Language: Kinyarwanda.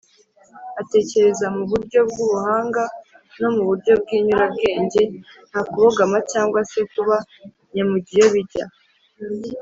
atekereza mu buryo bw’ubuhanga no mu buryo bw’inyurabwenge, nta kubogama cyangwa se kuba“nyamujyiyobijya”